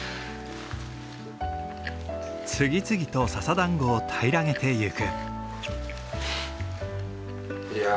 次々と笹団子を平らげていく。